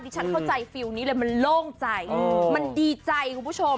ฉันเข้าใจฟิลล์นี้เลยมันโล่งใจมันดีใจคุณผู้ชม